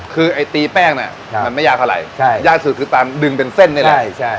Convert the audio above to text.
คือไอ้ตีแป้งน่ะครับมันไม่ยากเท่าไรใช่ยากสุดคือตามดึงเป็นเส้นได้แล้วใช่ใช่